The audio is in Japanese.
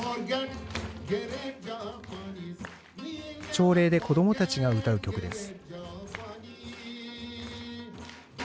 朝礼で子どもたちが歌う曲です。